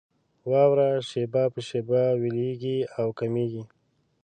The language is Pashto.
واوره شېبه په شېبه ويلېږي او کمېږي.